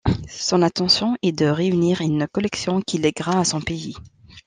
Son intention est de réunir une collection qu'il lèguera à son pays.